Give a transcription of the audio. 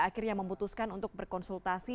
akhirnya memutuskan untuk berkonsultasi